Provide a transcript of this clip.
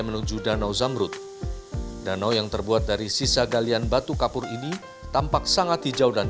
menuju danau zamrut danau yang terbuat dari sisa galian batu kapur ini tampak sangat hijau dan